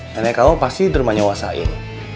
nenek kamu pasti dermanyawasain